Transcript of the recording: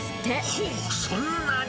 ほぉ、そんなに。